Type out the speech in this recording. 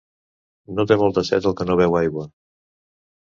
No té molta set el que no beu aigua.